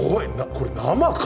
これ生か！